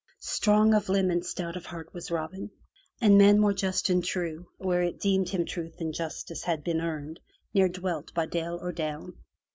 Strong of limb and stout of heart was Robin, and man more just and true where it deemed him truth and justice had been earned ne*er dwelt by dale or down.